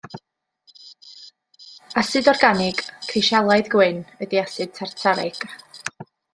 Asid organig, crisialaidd gwyn ydy asid tartarig.